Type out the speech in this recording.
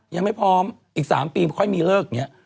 ยังไม่พร้อมอีก๓ปีค่อยมีเลิกอย่างนี้